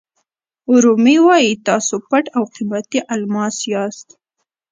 رومي وایي تاسو پټ او قیمتي الماس یاست.